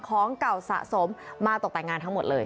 ของเก่าสะสมมาตกแต่งงานทั้งหมดเลย